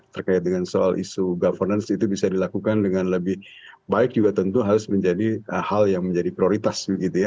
terkait dengan soal isu governance itu bisa dilakukan dengan lebih baik juga tentu harus menjadi hal yang menjadi prioritas